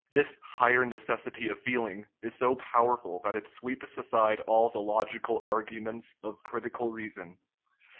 This "higher neces sity of feeling " is so powerful that it sweeps aside all the logical arguments of critical reason.